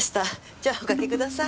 じゃあおかけください。